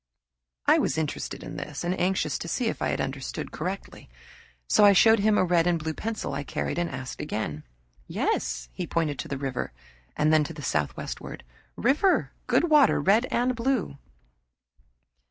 I was interested in this and anxious to see if I had understood, so I showed him a red and blue pencil I carried, and asked again. Yes, he pointed to the river, and then to the southwestward. "River good water red and blue."